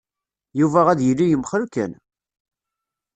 Yuba ad yili yemxell kan!